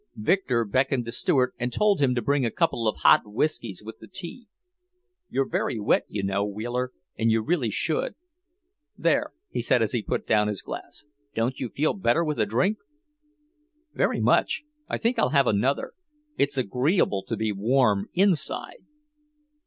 Victor beckoned the steward and told him to bring a couple of hot whiskeys with the tea. "You're very wet, you know, Wheeler, and you really should. There," he said as he put down his glass, "don't you feel better with a drink?" "Very much. I think I'll have another. It's agreeable to be warm inside."